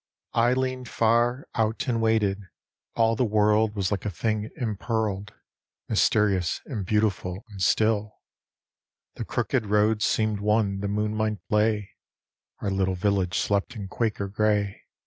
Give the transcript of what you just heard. I leaned far out and waited — all the world Was like a thing impeailed, Mysterious and beautiful and still: The crooked road seemed one the moon might lay, Our little village slept in Quaker gray.